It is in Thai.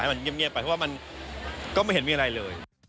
มันเงียบไปเพราะว่ามันก็ไม่เห็นมีอะไรเลย